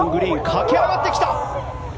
駆け上がってきた。